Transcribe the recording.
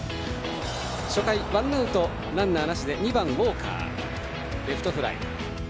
初回ワンアウト、ランナーなしで２番、ウォーカーはレフトフライ。